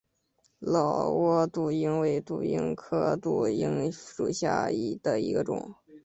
老挝杜英为杜英科杜英属下的一个种。